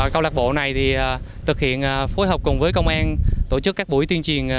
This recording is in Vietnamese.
câu lạc bộ này thực hiện phối hợp cùng với công an tổ chức các buổi tuyên truyền